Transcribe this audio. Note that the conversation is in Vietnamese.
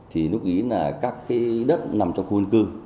thì lúc ý là các cái đất nằm trong khu dân cư